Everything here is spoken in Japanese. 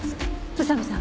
宇佐見さん